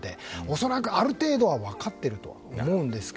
恐らく、ある程度は分かっているとは思うんですが。